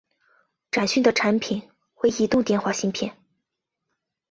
展讯的产品为移动电话芯片。